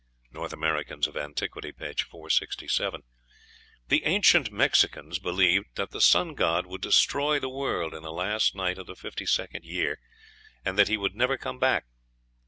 ("North Americans of Antiquity," p. 467.) The ancient Mexicans believed that the sun god would destroy the world in the last night of the fifty second year, and that he would never come back.